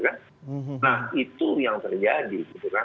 nah itu yang terjadi